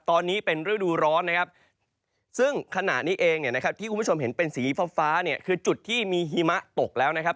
ตอนนี้เป็นฤดูร้อนนะครับซึ่งขณะนี้เองเนี่ยนะครับที่คุณผู้ชมเห็นเป็นสีฟ้าฟ้าเนี่ยคือจุดที่มีหิมะตกแล้วนะครับ